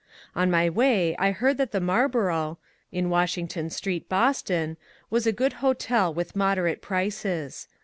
On my way I heard that the Marlboro', in Washington Street, Boston, was a good hotel with moderate prices.